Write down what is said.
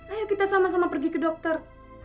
ayo kita sama sama pergi ke dokter